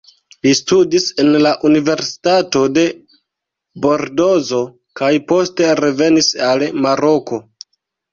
Li studis en la Universitato de Bordozo kaj poste revenis al Maroko.